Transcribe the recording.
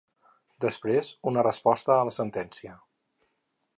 Després, una resposta a la sentència.